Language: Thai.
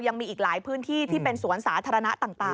ยังมีอีกหลายพื้นที่ที่เป็นสวนสาธารณะต่าง